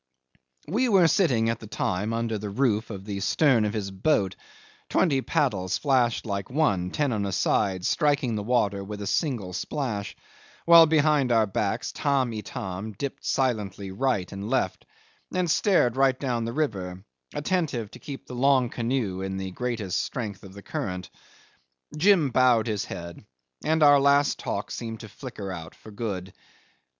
'We were sitting at the time under the roof in the stern of his boat; twenty paddles flashed like one, ten on a side, striking the water with a single splash, while behind our backs Tamb' Itam dipped silently right and left, and stared right down the river, attentive to keep the long canoe in the greatest strength of the current. Jim bowed his head, and our last talk seemed to flicker out for good.